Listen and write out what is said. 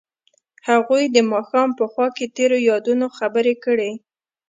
هغوی د ماښام په خوا کې تیرو یادونو خبرې کړې.